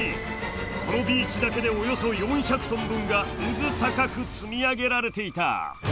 このビーチだけでおよそ４００トン分がうずたかく積み上げられていた。